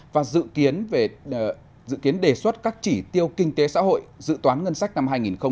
và dự kiến đề xuất các chỉ tiêu kinh tế xã hội dự toán ngân sách năm hai nghìn hai mươi một